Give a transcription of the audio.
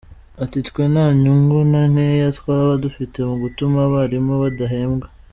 Ati “Twe nta nyungu na nkeya twaba dufite mu gutuma abarimu badahembwa.